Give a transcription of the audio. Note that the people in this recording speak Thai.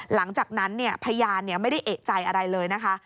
หลังจากนั้นพยานไม่ได้เอกใจอะไรเลยนะคะ